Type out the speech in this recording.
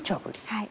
はい。